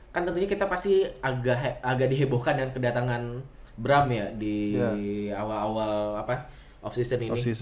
kan tentunya kita pasti agak dihebohkan dengan kedatangan bram ya di awal awal of season ini